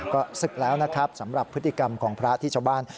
ก็ศึกแล้วนะครับสำหรับพฤติกรรมของพระที่ชาวบ้าน